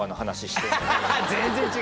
全然違う。